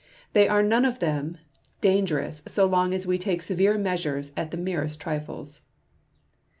. They are none of them dangerous so long as we take severe measures at the merest trifles."